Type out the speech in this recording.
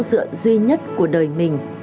chỗ dựa duy nhất của đời mình